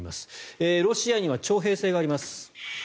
ロシアには徴兵制があります。